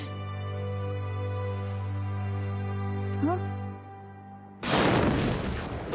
あっ！